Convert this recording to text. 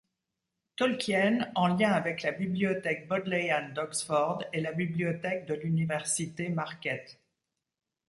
Tolkien, en lien avec la bibliothèque Bodleian d'Oxford et la bibliothèque de l'université Marquette.